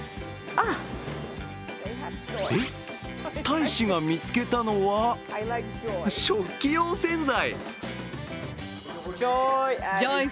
えっ、大使が見つけたのは食器用洗剤。